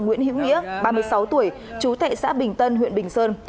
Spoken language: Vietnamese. nguyễn hữu nghĩa ba mươi sáu tuổi chú thệ xã bình tân huyện bình sơn